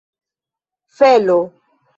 felo